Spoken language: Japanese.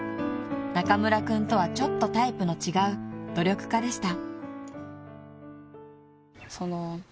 ［中村君とはちょっとタイプの違う努力家でした］